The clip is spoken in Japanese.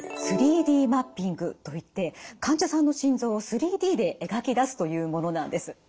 ３Ｄマッピングといって患者さんの心臓を３Ｄで描き出すというものなんです。